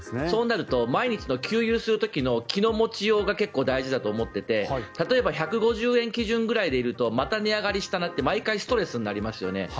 そうなると毎日の給油の気の持ちようが結構大事だと思っていて例えば、１５０円基準くらいでいるとまた値上がりしたなと毎回ストレスになりますよね。